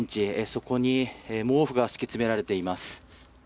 そこに毛布が敷き詰められています。